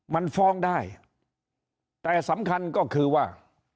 มันฟ้องได้แต่สำคัญก็คือว่า